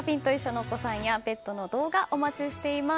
ではお子さんやペットの動画お待ちしています。